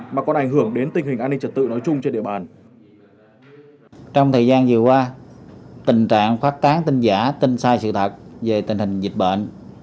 mà còn ảnh hưởng đến tình hình an ninh trật tự nói chung trên địa bàn